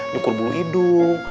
nyukur bulu hidung